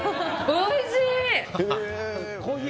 おいしい！